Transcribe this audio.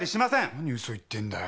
何嘘言ってんだよ。